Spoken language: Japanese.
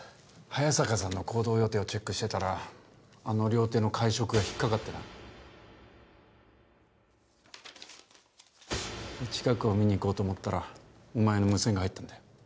早坂さんの行動予定をチェックしてたらあの料亭の会食が引っかかってな近くを見に行こうと思ったらお前の無線が入ったんだよ